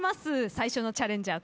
最初のチャレンジャー